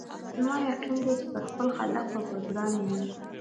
زما یقین دی چي پر خپل خالق به ګران یو